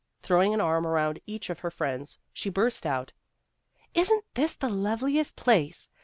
Throwing an arm around each of her friends, she burst out :" Is n't this the loveliest place